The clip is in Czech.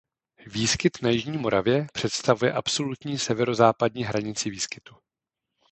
Výskyt na jižní Moravě představuje absolutní severozápadní hranici výskytu.